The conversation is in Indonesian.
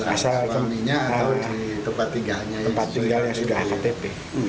asal suaminya atau di tempat tinggalnya yang sudah akpb